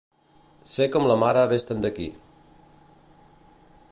Ser com la «Maria ves-te'n d'aquí».